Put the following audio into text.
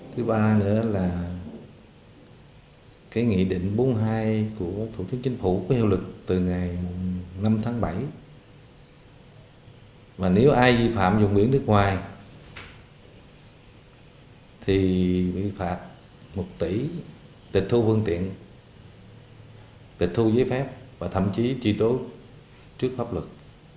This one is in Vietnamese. thứ ba nữa là cái nghị định bốn mươi hai của thủ tướng chính phủ có hiệu lực từ ngày năm tháng bảy mà nếu ai vi phạm dùng biển nước ngoài thì bị phạt một tỷ tịch thu phương tiện tịch thu giấy phép và thậm chí truy tố trước pháp luật